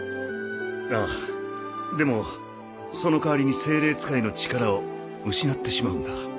ああでもその代わりに精霊使いの力を失ってしまうんだ。